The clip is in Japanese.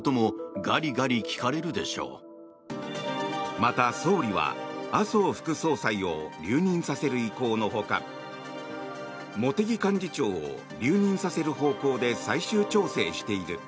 また総理は麻生副総裁を留任させる意向のほか茂木幹事長を留任させる方向で最終調整している。